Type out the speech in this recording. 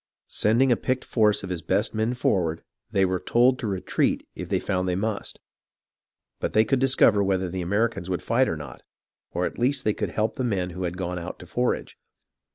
Sending a picked force of his best men forward, they were told to retreat if they found they must ; but they could discover whether the Americans would fight or not, or at least they could help the men who had gone out to forage.